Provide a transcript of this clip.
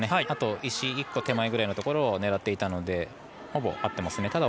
あと石１個手前ぐらいのところを狙っていたのでほぼ合っていますね。